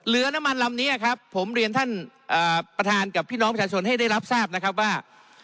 เรือน้ำมันลำนี้ครับผมเรียนท่านประธานกับพี่น้องประชาชนให้ได้รับทราบนะครับว่า